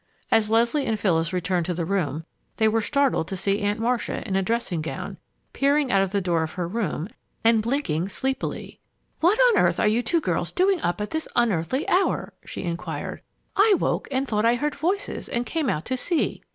As Leslie and Phyllis returned to the room, they were startled to see Aunt Marcia, in a dressing gown, peering out of the door of her room and blinking sleepily. "What on earth are you two girls doing up at this unearthly hour?" she inquired. "I woke and thought I heard voices and came out to see!"